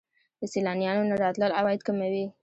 د سیلانیانو نه راتلل عواید کموي.